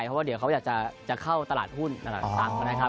เพราะว่าเดี๋ยวเขาอยากจะเข้าตลาดหุ้นอะไรต่างนะครับ